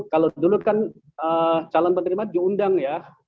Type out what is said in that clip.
kalau dulu kan calon penerima diundang ya